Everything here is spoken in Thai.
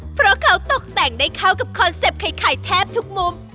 เพราะเขาตกแต่งได้เข้ากับคอนเซ็ปต์ไข่แทบทุกมุม